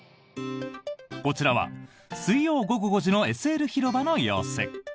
こちらは、水曜午後５時のＳＬ広場の様子。